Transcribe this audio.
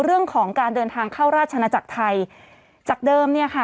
เรื่องของการเดินทางเข้าราชนาจักรไทยจากเดิมเนี่ยค่ะ